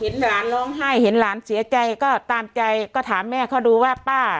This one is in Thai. หลานร้องไห้เห็นหลานเสียใจก็ตามใจก็ถามแม่เขาดูว่าป้า